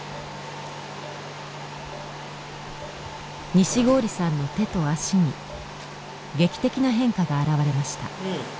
西郡さんの手と足に劇的な変化が現れました。